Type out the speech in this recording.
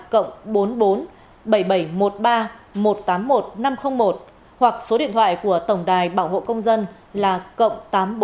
cộng bốn mươi bốn bảy nghìn bảy trăm một mươi ba một trăm tám mươi một nghìn năm trăm linh một hoặc số điện thoại của tổng đài bảo hộ công dân là cộng tám mươi bốn chín trăm tám mươi một tám trăm bốn mươi tám nghìn bốn trăm tám mươi bốn